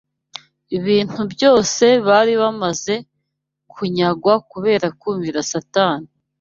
Ibintu byose bari bamaze kunyagwa kubera kumvira Satani